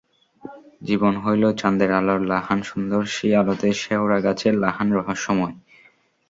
জীবন হইল চান্দের আলোর লাহান সুন্দর, সেই আলোতে শেওড়া গাছের লাহান রহস্যময়।